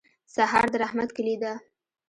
سهار د رحمت کلي ده.